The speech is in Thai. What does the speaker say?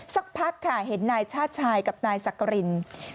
สักพักค่ะเห็นนายชาติชายกับนายสักกริน